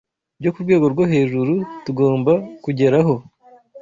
byo ku rwego rwo hejuru tugomba kugeraho,